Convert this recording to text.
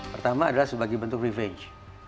pertama adalah sebagai bentuk revenge